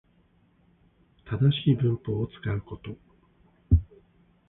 正しい文法を使うこと